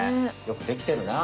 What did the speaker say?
よくできてるな。